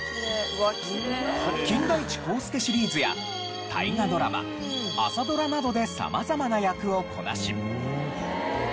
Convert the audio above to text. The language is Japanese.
『金田一耕助』シリーズや大河ドラマ朝ドラなどで様々な役をこなし。